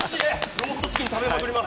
ローストチキン食べまくります。